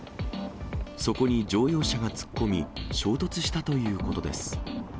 そこに乗用車が突っ込み、衝突したということです。